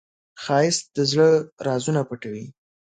ښایست د زړه رازونه پټوي